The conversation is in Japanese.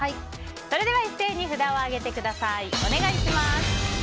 それでは一斉に札を上げてください。